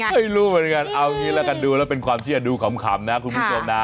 ไม่รู้เหมือนกันเอางี้ละกันดูแล้วเป็นความเชื่อดูขำนะคุณผู้ชมนะ